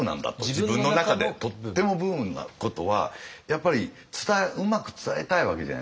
自分の中でとってもブームなことはやっぱりうまく伝えたいわけじゃないですか。